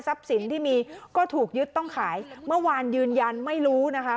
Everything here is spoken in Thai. สินที่มีก็ถูกยึดต้องขายเมื่อวานยืนยันไม่รู้นะคะ